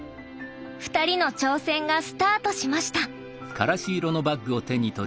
２人の挑戦がスタートしました。